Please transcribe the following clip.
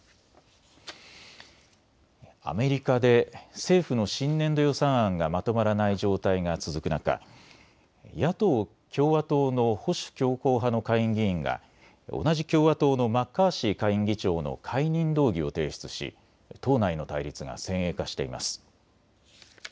アメリカで政府の新年度予算案がまとまらない状態が続く中、野党・共和党の保守強硬派の下院議員が同じ共和党のマッカーシー下院議長の解任動議を提出し党内の対立が先鋭化しています。